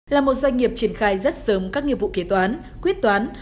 là một doanh nghiệp triển khai rất sớm các nghiệp vụ kế toán quyết toán